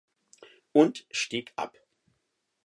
Und stieg ab.